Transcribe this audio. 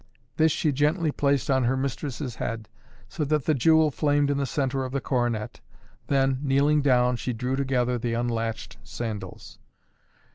This she gently placed on her mistress' head, so that the jewel flamed in the centre of the coronet, then, kneeling down, she drew together the unlatched sandals.